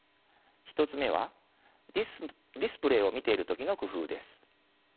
１つ目はディスプレイを見ている時の工夫です。